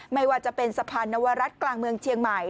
ไม่ว่าจะเป็นสะพานนวรัฐกลางเมืองเชียงใหม่